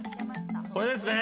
これですね。